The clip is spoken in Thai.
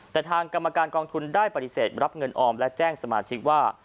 แต่ทางกรรมการกองทุนได้ปฏิเสธรับเงินออมและแจ้งสมาชิกว่า